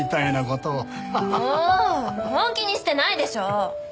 もう本気にしてないでしょう？